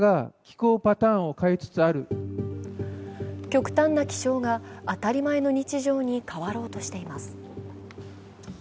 極端な気象が当たり前の日常に変わろうとしています。